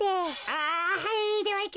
ああはい。